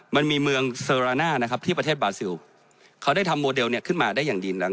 มันมีเมืองเซอรานะที่ประเทศบาซิลเขาได้ทำโมเดลขึ้นมาได้อย่างดี